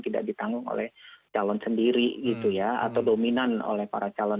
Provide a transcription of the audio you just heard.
tidak ditanggung oleh calon sendiri gitu ya atau dominan oleh para calon